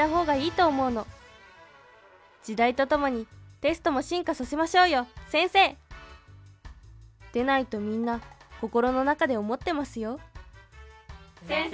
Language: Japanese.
時代と共にテストも進化させましょうよ先生！でないとみんな心の中で思ってますよハハハハッ。